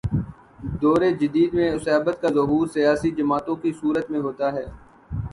دور جدید میں عصبیت کا ظہور سیاسی جماعتوں کی صورت میں ہوتا ہے۔